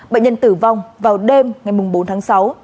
bệnh nhân tử vong vào đêm ngày bốn tháng sáu